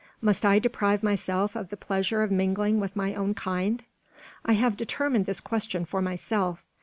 Must I deprive myself of the pleasure of mingling with my own kind? I have determined this question for myself.